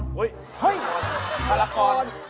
พรกร